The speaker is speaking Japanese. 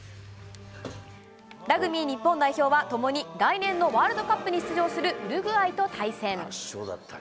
ラグビー日本代表はともに来年のワールドカップに出場するウルグアイと対戦。